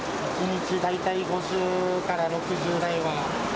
１日、大体５０から６０台は。